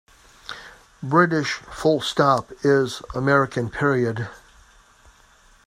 British full stop is American period.